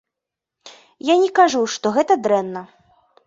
Я не кажу, што гэта дрэнна.